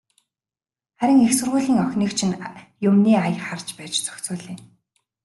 Харин их сургуулийн охиныг чинь юмны ая харж байж зохицуулъя.